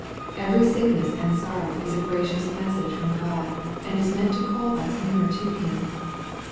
Every sickness and sorrow is a gracious message from God, and is meant to call us nearer to Him.